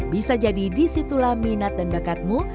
bisa jadi disitulah minat dan bakatmu